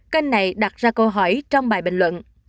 kênh này đặt ra câu hỏi trong bài bình luận